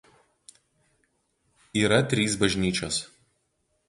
Yra trys bažnyčios.